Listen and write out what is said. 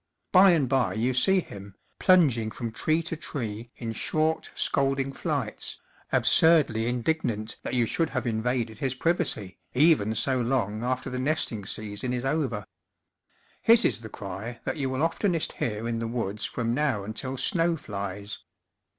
By and by you see him, plunging from tree to tree in short, scolding flights, absurdly in dignant that you should have invaded his privacy, even so long after the nesting sea son is over. His is the cry that you will oftenest hear in the woods from now until snow flies.